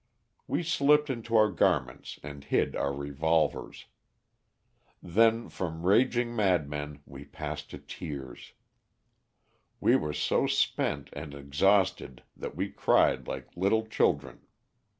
We slipped into our garments and hid our revolvers. Then from raging madmen we passed to tears. We were so spent and exhausted that we cried like little children.